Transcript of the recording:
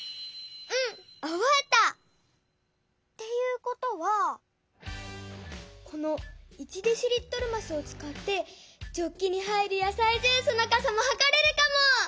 うんおぼえた！っていうことはこの１デシリットルますをつかってジョッキに入るやさいジュースのかさもはかれるかも！